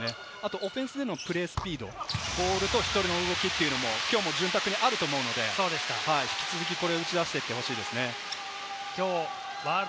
オフェンスのプレススピード、ボールと人の動き、きょうも潤沢にあると思うので、引き続きこれを打ち出してほしいですね。